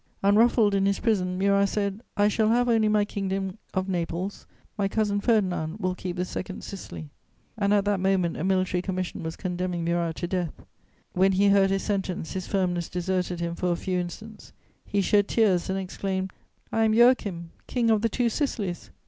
Unruffled in his prison, Murat said: "I shall have only my Kingdom of Naples; my cousin Ferdinand will keep the second Sicily." [Sidenote: Death of Murat.] And at that moment a military commission was condemning Murat to death. When he heard his sentence, his firmness deserted him for a few instants; he shed tears and exclaimed: "I am Joachim King of the Two Sicilies!"